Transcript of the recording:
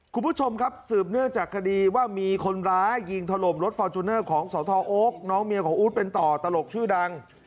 คุณผู้ชมครับสืบเนื่องจากคดีว่ามีคนร้ายยิงถล่มรถฟอร์จูเนอร์ของสทโอ๊คน้องเมียของอู๊ดเป็นต่อตลกชื่อดัง